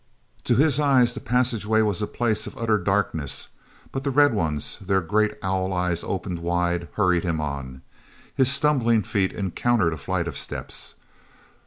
o his eyes the passageway was a place of utter darkness, but the red ones, their great owl eyes opened wide, hurried him on. His stumbling feet encountered a flight of steps.